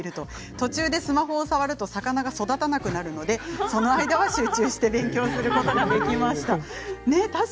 途中でスマホを触ると魚が育たなくなるので、その間は集中して勉強することができました。